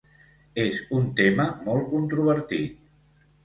És un tema molt controvertit.